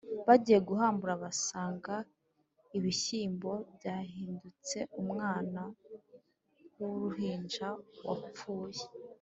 Bagiye guhambura, basanga ibishyimbo byahindutse umwana w'uruhinja wapfuye